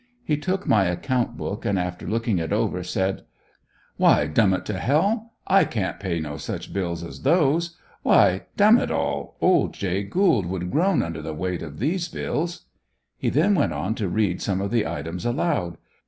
He took my account book and, after looking it over, said: "Why, Dum it to h l, I can't pay no such bills as those! Why, Dum it all, old Jay Gould would groan under the weight of these bills!" He then went on to read some of the items aloud.